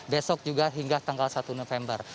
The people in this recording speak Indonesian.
besok juga hingga tanggal satu november